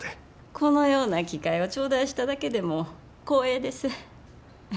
このような機会を頂戴しただけでも光栄です。